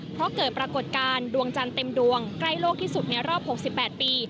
เพราะเกิดปรากฏการณ์ดวงจันทร์เต็มดวงใกล้โลกที่สุดในรอบ๖๘ปี